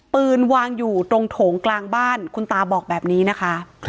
ปืนวางอยู่ตรงโถงกลางบ้านคุณตาบอกแบบนี้นะคะ